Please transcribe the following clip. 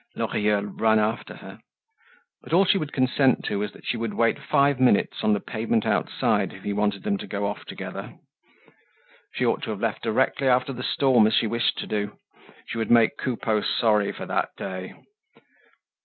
Lorilleux ran after her. But all she would consent to was that she would wait five minutes on the pavement outside, if he wanted them to go off together. She ought to have left directly after the storm, as she wished to do. She would make Coupeau sorry for that day.